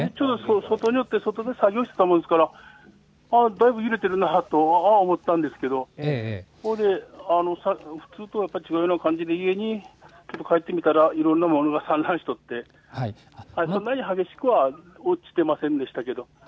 外にいて、外で作業をしていたものですからだいぶ揺れているなと、あわあわしたんですけど、普通とは違うような揺れに、いろんなものが散乱していてそんなに激しくは落ちていませんでしたけど。